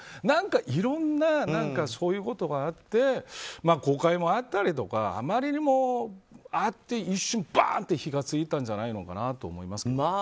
何かいろんなそういうことがあって誤解もあったりとかあまりにも一瞬ばっと火が付いたんじゃないかなと思います。